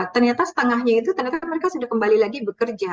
ternyata setengahnya itu ternyata mereka sudah kembali lagi bekerja